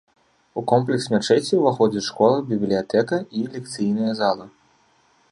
У комплекс мячэці ўваходзіць школа, бібліятэка, і лекцыйная зала.